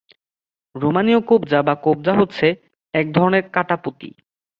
রোমানীয় কোবজা বা কোবজা হচ্ছে এক ধরনের কাটা পুঁতি।